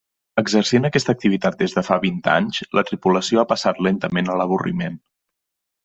Exercint aquesta activitat des de fa vint anys, la tripulació ha passat lentament a l'avorriment.